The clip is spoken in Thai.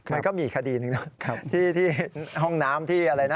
มันก็มีอีกคดีหนึ่งนะที่ห้องน้ำที่อะไรนะ